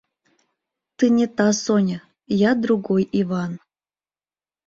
Ты не та Соня, я другой Иван.